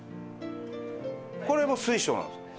これも水晶なんですか？